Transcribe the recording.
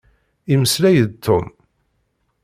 Imeslay-d Tom.